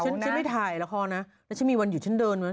เธอฉันไม่ถ่ายละครนะแล้วฉันมีวันอยู่ฉันเดิน